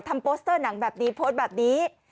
โปสเตอร์หนังแบบนี้โพสต์แบบนี้